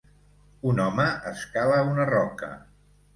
Un home escala una roca.